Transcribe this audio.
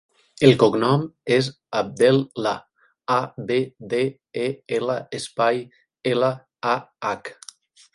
El cognom és Abdel Lah: a, be, de, e, ela, espai, ela, a, hac.